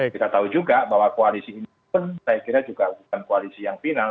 kita tahu juga bahwa koalisi ini pun saya kira juga bukan koalisi yang final